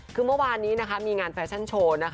คือเมื่อวานนี้มีงานแฟชั่นโชว์